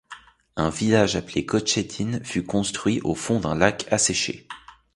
Un village appelé Kožetin fut construit au fond d'un lac asséché.